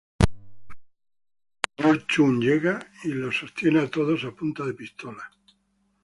El Sr. Chun llega y los sostiene a todos a punta de pistola.